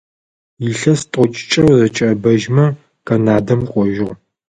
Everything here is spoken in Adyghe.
Илъэс тIокIкIэ узэкIэIэбэжьмэ Канадэм кIожьыгъ.